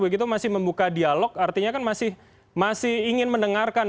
begitu masih membuka dialog artinya kan masih ingin mendengarkan